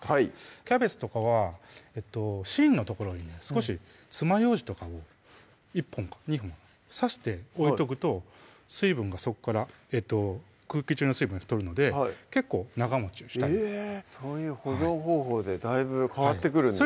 キャベツとかは芯の所に少しつまようじとかを１本か２本刺して置いとくと水分がそこから空気中の水分取るので結構長もちをしたりえぇそういう保存方法でだいぶ変わってくるんですね